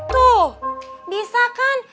tuh bisa kan